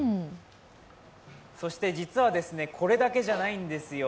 そして実は、これだけじゃないんですよ。